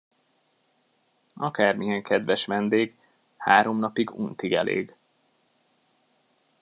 Akármilyen kedves vendég, három napig untig elég.